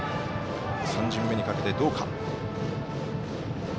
３巡目にかけて、どうか。